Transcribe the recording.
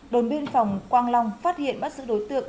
đồn biên phòng quang long phát hiện bắt giữ đối tượng